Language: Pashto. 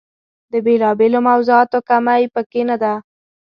د بېلا بېلو موضوعاتو کمۍ په کې نه ده.